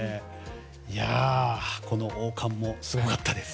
この王冠もすごかったです。